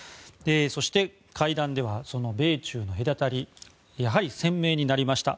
そして会談ではその米中の隔たりやはり鮮明になりました。